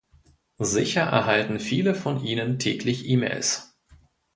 Sicher erhalten viele von Ihnen täglich Emails.